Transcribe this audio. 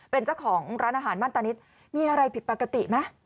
เป็นเจ้าของร้านอาหารมั่นตานิดมีอะไรผิดปกติไหม